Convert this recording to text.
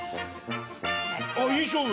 あっいい勝負！